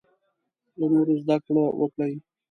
له نورو زده کړه وکړې.